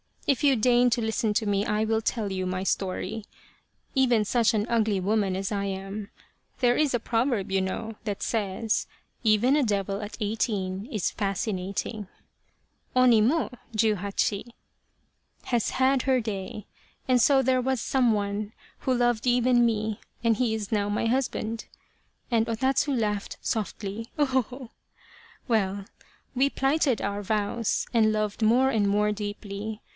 If you deign to listen to me I will tell you my story. Even such an ugly woman as I am there is a proverb you know, that says ' Even a devil at eighteen is fascinating ' (oni mojuhacbi) has had her day, and so there was some one who loved even me, and he is now my husband," and O Tatsu laughed softly, " ho ho ho." " Well, we plighted our vows and loved more and more deeply.